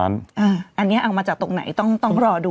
อันนี้เอามาจากตรงไหนต้องรอดู